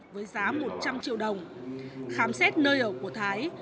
với giá một trăm linh triệu đồng khám xét nơi ở của thái